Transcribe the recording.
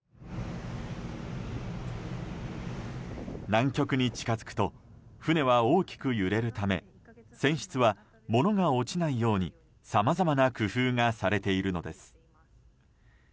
南極に近づくと船は大きく揺れるため船室は物が落ちないようにさまざまな工夫がされているのです。